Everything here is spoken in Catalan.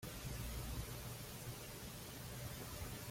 Ha estat condecorat amb la creu de l'Orde al Mèrit de la Guàrdia Civil.